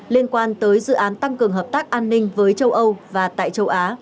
liên quan tới dự án tăng cường hợp tác an ninh với châu âu và tại châu á